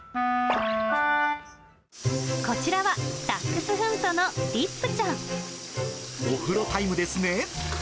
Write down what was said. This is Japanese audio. こちらは、ダックスフントのリッお風呂タイムですね。